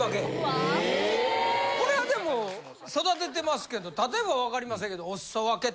・わぁ・これはでも育ててますけど例えば分かりませんけど。